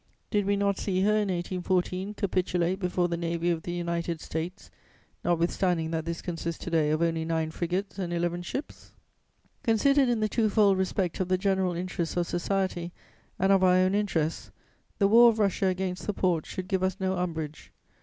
Did we not see her, in 1814, capitulate before the Navy of the United States, notwithstanding that this consists to day of only nine frigates and eleven ships? "Considered in the two fold respect of the general interests of society and of our own interests, the war of Russia against the Porte should give us no umbrage.